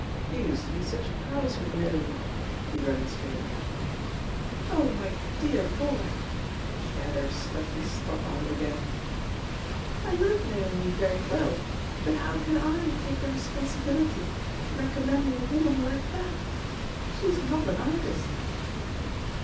"You used to be such pals with Naomi!" he remonstrated. "Oh, my dear boy!" She had her stuffy stop out again. "I like Naomi very well, but how can I take the responsibility of recommending a woman like that? She's not an artist.